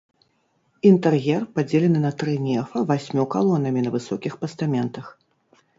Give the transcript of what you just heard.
Інтэр'ер падзелены на тры нефа васьмю калонамі на высокіх пастаментах.